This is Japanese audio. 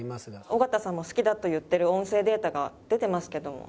尾形さんも「好きだ」と言ってる音声データが出てますけども。